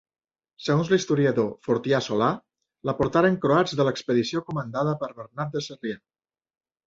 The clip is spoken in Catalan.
Segons l'historiador Fortià Solà, la portaren croats de l'expedició comandada per Bernat de Sarrià.